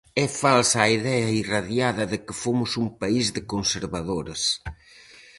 É falsa a idea irradiada de que fomos un país de conservadores.